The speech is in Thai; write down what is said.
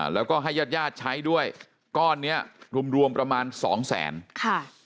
แล้วก็ให้ญาติญาติใช้ด้วยก้อนเนี้ยรวมรวมประมาณสองแสนค่ะ